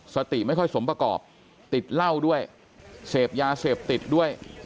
สติไม่ค่อยสมประกอบติดเหล้าด้วยเสพยาเสพติดด้วย